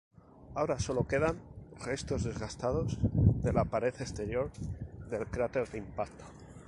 Ahora solo quedan restos desgastados de la pared exterior del cráter de impacto.